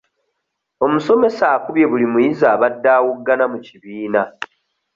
Omusomesa akubye buli muyizi abadde awoggana mu kibiina.